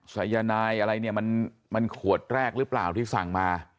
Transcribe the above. สายนายอะไรเนี่ยมันขวดแรกหรือเปล่าที่สั่งมา